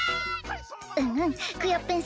うんうんクヨッペン